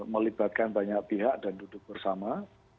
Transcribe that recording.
melibatkan banyak pihak dan duduk bersama